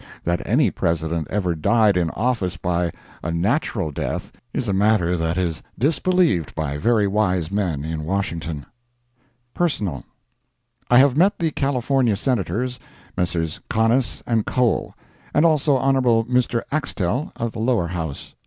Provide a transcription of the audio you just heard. That any President ever died in office by a natural death is a matter that is disbelieved by very wise men in Washington. Personal. I have met the California Senators, Messrs. Conness and Cole, and also Hon. Mr. Axtell, of the Lower House.